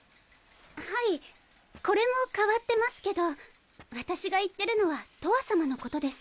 はいこれも変わってますけど私が言ってるのはとわさまのことです。